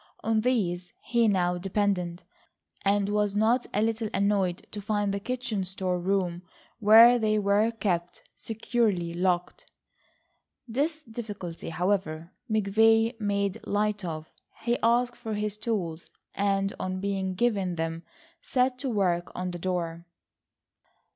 On these he now depended, and was not a little annoyed to find the kitchen store room where they were kept securely locked. This difficulty, however, McVay made light of. He asked for his tools and on being given them set to work on the door.